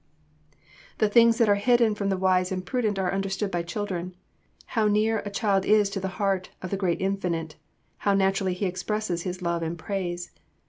The things that are hidden from the wise and prudent are understood by children. How near a child is to the Heart of the Great Infinite; how naturally he expresses his love and praise.